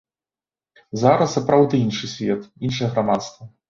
Зараз сапраўды іншы свет, іншае грамадства.